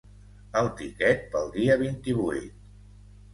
El tiquet pel dia vint-i-vuit.